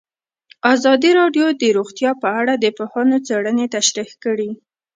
ازادي راډیو د روغتیا په اړه د پوهانو څېړنې تشریح کړې.